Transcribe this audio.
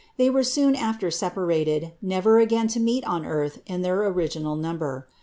They were soon after separated, never again to meet on earth in their original number.